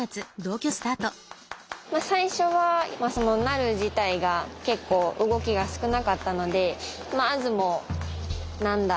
最初はナル自体が結構動きが少なかったのでアズも「何だ？